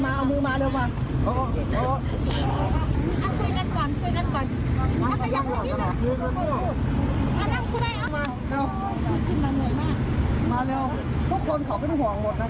ผมอยากให้น้องทำแบบนี้นะครับ